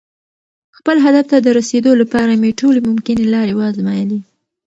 خپل هدف ته د رسېدو لپاره مې ټولې ممکنې لارې وازمویلې.